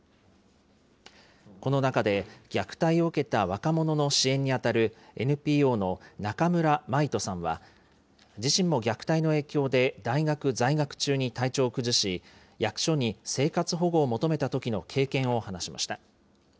この中で、虐待を受けた若者の支援に当たる、ＮＰＯの中村舞斗さんは、自身も虐待の影響で、大学在学中に体調を崩し、役所に生活保護を求めたときの経験を話しました。